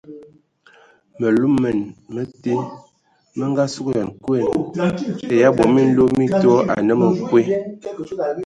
Məluməna mə te mə ngasugəlan a koɛn ai abɔ minlo mi tɔ anə məkwe.